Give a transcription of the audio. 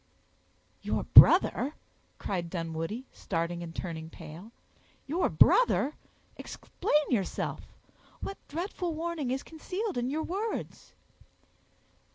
"Your brother!" cried Dunwoodie, starting and turning pale; "your brother! explain yourself—what dreadful meaning is concealed in your words?"